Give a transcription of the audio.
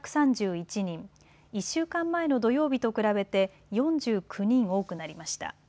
１週間前の土曜日と比べて４９人多くなりました。